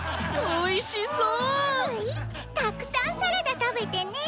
たくさんサラダ食べてね。